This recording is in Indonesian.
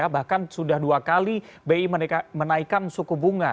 bahkan sudah dua kali bi menaikkan suku bunga